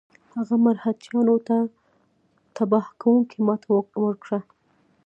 هغه مرهټیانو ته تباه کوونکې ماته ورکړه.